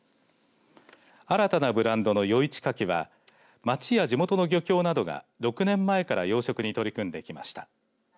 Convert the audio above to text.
新たなブランドの余市牡蠣は町や地元の漁協などが６年前から養殖に取り組んできました。